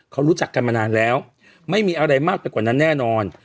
เขารู้จักกันมานานแล้วไม่มีอะไรมากไปกว่านั้นแน่นอน